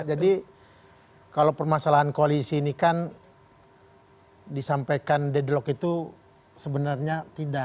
jadi kalau permasalahan koalisi ini kan disampaikan dedelok itu sebenarnya tidak